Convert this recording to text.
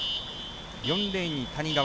４レーン、谷川。